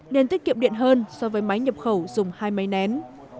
nên tiết kiệm điện hơn so với máy nhập khẩu dùng hai máy nén